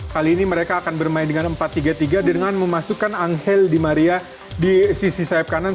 kali ini mereka akan bermain dengan empat tiga tiga dengan memasukkan angel di maria di sisi sayap kanan